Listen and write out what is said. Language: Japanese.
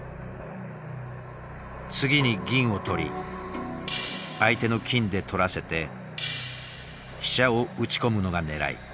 次に銀を取り相手の金で取らせて飛車を打ち込むのがねらい。